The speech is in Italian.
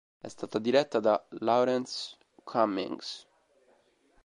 È stata diretta da Laurence Cummings.